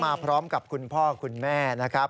มาพร้อมกับคุณพ่อคุณแม่นะครับ